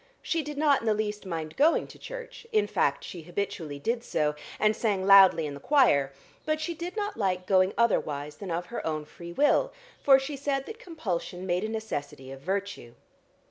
She did not in the least mind going to church, in fact she habitually did so, and sang loudly in the choir, but she did not like going otherwise than of her own free will, for she said that compulsion made a necessity of virtue.